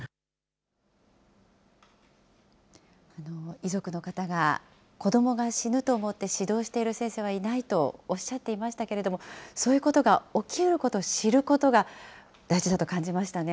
遺族の方が、子どもが死ぬと思って指導している先生はいないとおっしゃっていましたけれども、そういうことが起きることを知ることが、大事だと感じましたね。